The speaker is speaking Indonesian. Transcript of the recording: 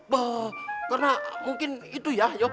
bo karena mungkin itu ya jo